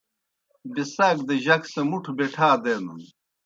بِسَاک دہ جک سہ مُٹھہ بِٹھا دینَن۔